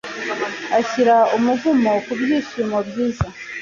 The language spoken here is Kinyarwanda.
ashyira umuvumo ku byishimo byiza